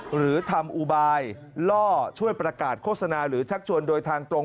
หรือทำอุบายล่อช่วยประกาศโฆษณาหรือชักชวนโดยทางตรง